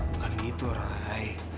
bukan gitu rai